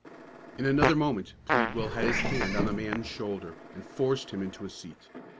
In another moment Pleadwell had his hand on the man's shoulder, and forced him into a seat.